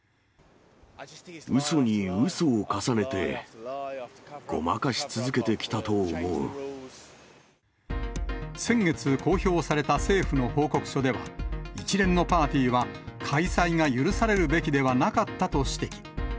うそにうそを重ねて、先月、公表された政府の報告書では、一連のパーティーは開催が許されるべきではなかったと指摘。